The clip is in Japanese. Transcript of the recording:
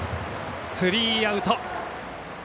スリーアウト。